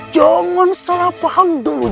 jangan salah paham dulu